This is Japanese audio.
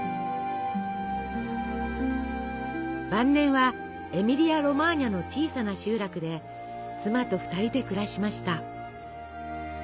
晩年はエミリア・ロマーニャの小さな集落で妻と２人で暮らしました。